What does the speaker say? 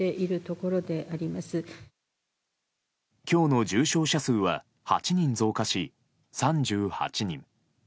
今日の重症者数は８人増加し、３８人。